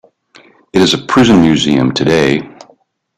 It is a prison museum today.